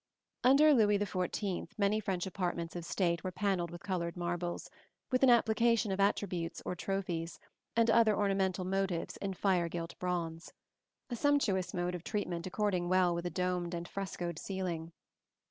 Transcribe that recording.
Under Louis XIV many French apartments of state were panelled with colored marbles, with an application of attributes or trophies, and other ornamental motives in fire gilt bronze: a sumptuous mode of treatment according well with a domed and frescoed ceiling.